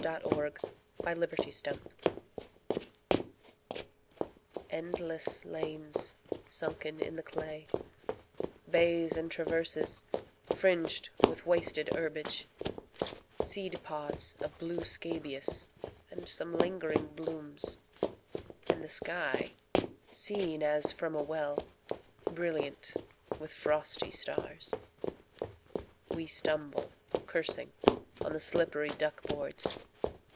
Frederic Manning THE TRENCHES ENDLESS lanes sunken in the clay, Bays, and traverses, fringed with wasted herbage, Seed pods of blue scabious, and some lingering blooms ; And the sky, seen as from a well, Brilliant with frosty stars. We stumble, cursing, on the slippery duck boards.